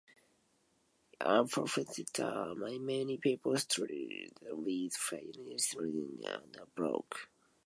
Unfortunately, many people struggle with financial literacy and end up broke.